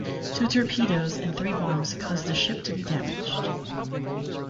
Two torpedoes and three bombs caused the ship to be damaged.